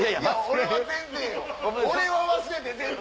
俺は忘れて全然。